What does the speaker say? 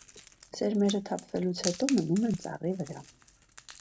Սերմերը թափվելուց հետո մնում են ծառի վրա։